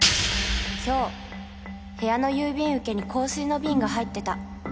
「今日部屋の郵便受けに香水のビンが入ってた。